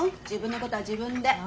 自分のことは自分で。